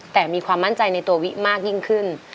แต่มีความมั่นใจในตัววิมากยิ่งขึ้น